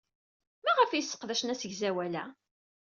Maɣef ay sseqdacen asegzawal-a?